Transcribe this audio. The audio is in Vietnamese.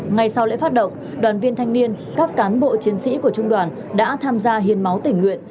ngay sau lễ phát động đoàn viên thanh niên các cán bộ chiến sĩ của trung đoàn đã tham gia hiến máu tỉnh nguyện